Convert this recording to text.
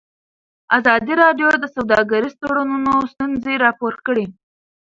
ازادي راډیو د سوداګریز تړونونه ستونزې راپور کړي.